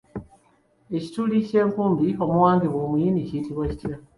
Ekituli ky'enkumbi omuwangibwa omuyini kiyitibwa kitya?